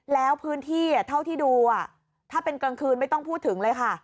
แล้วพื้นที่เท่าที่ดูถ้าเป็นกลางคืนไม่ต้องพูดถึงเลยค่ะ